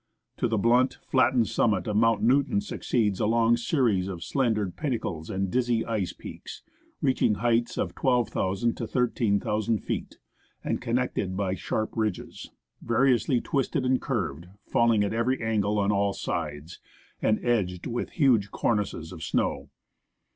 To the blunt, flattened summit of Mount Newton succeeds a long series of slender pinnacles and dizzy ice peaks, reaching heights of 12,000 to 13,000 feet, and connected by sharp ridges, variously twisted and curved, falling at every angle on all sides, and edged with huge cornices of snow.